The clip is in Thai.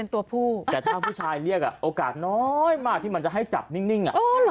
ตัวผู้แต่ถ้าผู้ชายเรียกโอกาสน้อยมากที่มันจะให้จับนิ่ง